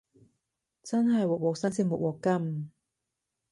真係鑊鑊新鮮鑊鑊甘